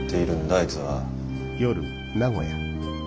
あいつは。